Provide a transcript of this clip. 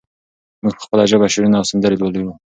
موږ په خپله ژبه شعرونه او سندرې لرو.